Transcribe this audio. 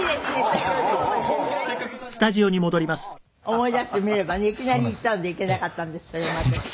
思い出してみればねいきなり言ったのでいけなかったんですけどまず。